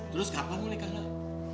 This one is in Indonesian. terus kapan mau nikah